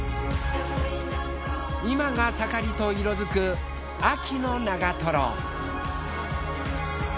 今が盛りと色づく秋の長。